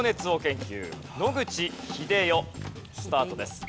スタートです。